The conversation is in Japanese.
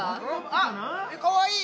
・あっかわいい！